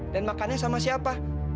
dan makannya sama siapa